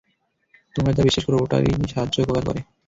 তোমরা যা বিশ্বাস কর, ওরাই সাহায্য-উপকার করে।